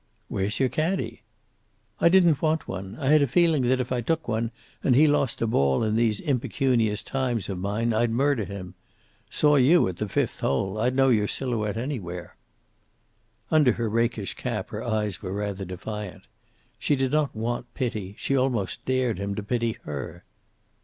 "Where's your caddie?" "I didn't want one. I had a feeling that, if I took one, and he lost a ball in these impecunious times of mine, I'd murder him. Saw you at the fifth hole. I'd know your silhouette anywhere." Under her rakish cap her eyes were rather defiant. She did not want pity; she almost dared him to pity her.